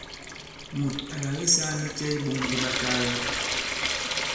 Mùt à làke saa ndi cɛ i iɓōŋ di ɓakaala ?